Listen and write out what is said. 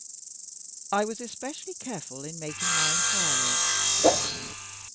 I was especially careful in making my inquiries.